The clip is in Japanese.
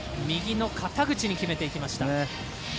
右の肩口に決めていきました。